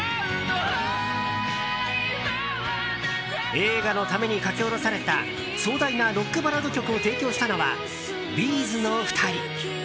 映画のために書き下ろされた壮大なロックバラード曲を提供したのは、Ｂ’ｚの２人。